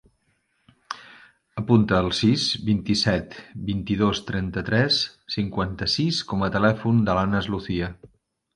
Apunta el sis, vint-i-set, vint-i-dos, trenta-tres, cinquanta-sis com a telèfon de l'Anas Lucia.